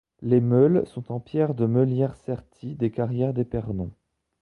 Les meules sont en pierre de meulière sertie des carrières d’Épernon.